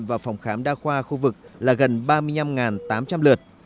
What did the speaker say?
và phòng khám đa khoa khu vực là gần ba mươi năm tám trăm linh lượt